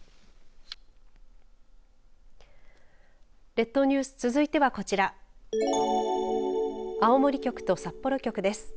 列島ニュース続いてはこちら青森局と札幌局です。